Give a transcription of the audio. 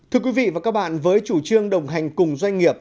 thưa quý vị và các bạn với chủ trương đồng hành cùng doanh nghiệp